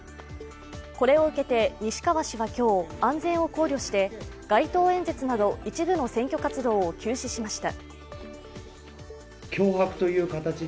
これを受けて西川氏は今日安全を考慮して街頭演説など一部の選挙活動を休止しました。